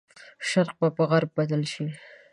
شرق به په غرب بدل شي.